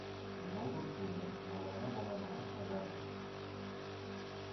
El nou d'octubre na Lena vol anar a Gàtova.